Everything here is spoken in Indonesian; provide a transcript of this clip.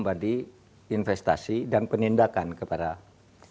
berarti investasi dan penindakan kepada para pejabat